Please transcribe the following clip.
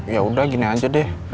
yaudah gini aja deh